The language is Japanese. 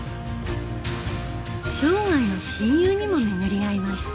生涯の親友にも巡り合います。